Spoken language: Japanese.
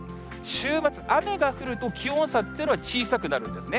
週末、雨が降ると気温差っていうのは小さくなるんですね。